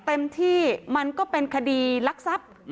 เต็มที่มันก็เป็นคดีลักทรัพย์